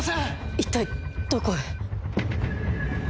一体どこへ？